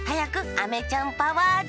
あめちゃんパワーで。